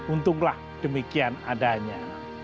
untunglah demikian adanya